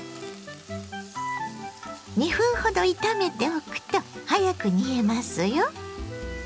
２分ほど炒めておくと早く煮えますよ。